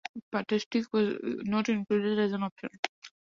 "Butterstick" was not included as an option.